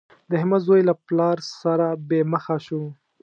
د احمد زوی له پلار سره بې مخه شو.